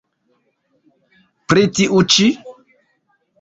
Pri tiu ĉi?